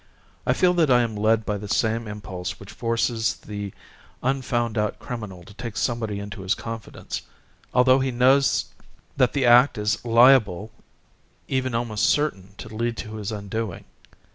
I feel that I am led by the same impulse which forces the un found out criminal to take somebody into his confidence, although he knows that the act is likely, even almost certain, to lead to his undoing.